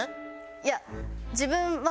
いや自分はほら！